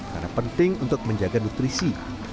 karena penting untuk menjaga nutrisi